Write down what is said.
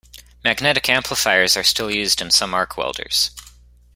Magnetic amplifiers are still used in some arc welders.